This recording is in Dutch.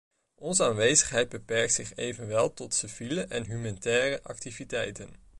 Onze aanwezigheid beperkt zich evenwel tot civiele en humanitaire activiteiten.